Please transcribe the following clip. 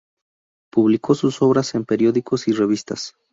Publicó sus obras en periódicos y revistas.